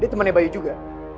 dia temen bayu juga